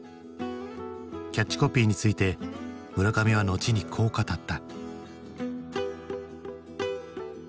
キャッチコピーについて村上は後にこう語った。